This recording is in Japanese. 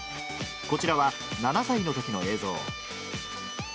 こちらは７歳のときの映像。